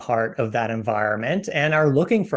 yang tidak ingin menjadi bagian dari lingkungan itu